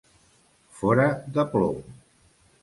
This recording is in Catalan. Fora de plom.